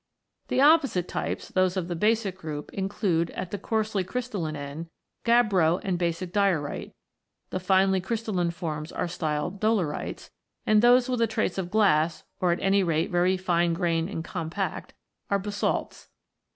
The opposite types, those of the basic group, include, at the coarsely crystalline end, gabbro and basic diorite ; the finely crystalline forms are styled dolerites, and those with a trace of glass, or at any rate very fine grained and compact, are basalts.